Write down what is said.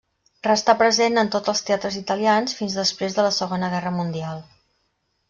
Restà present en tots els teatres italians fins després de la segona guerra mundial.